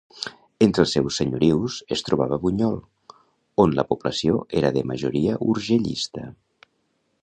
Entre els seus senyorius, es trobava Bunyol, on la població era de majoria urgellista.